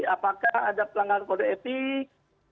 apakah ada pelanggaran kode etik